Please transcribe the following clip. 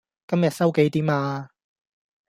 今日收幾點呀?